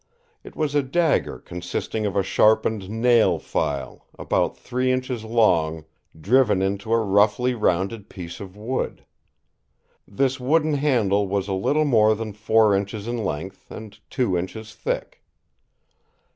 It was a dagger consisting of a sharpened nail file, about three inches long, driven into a roughly rounded piece of wood. This wooden handle was a little more than four inches in length and two inches thick.